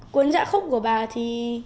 cuốn dạ khúc của bà thì